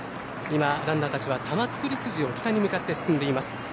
今、ランナーたちは玉造筋を北に向かって進んでいます。